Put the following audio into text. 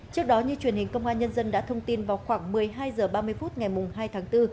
trước đó như truyền hình công an nhân dân đã thông tin vào khoảng một mươi hai h ba mươi phút ngày hai tháng bốn